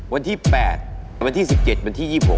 วันที่๘วันที่๑๗วันที่๒๖